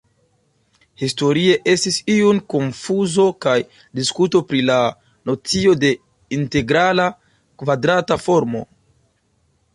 Historie estis iu konfuzo kaj diskuto pri la nocio de integrala kvadrata formo.